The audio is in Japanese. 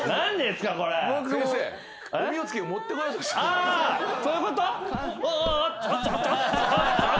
あそういうこと？